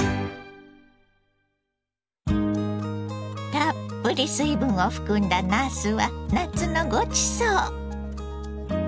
たっぷり水分を含んだなすは夏のごちそう！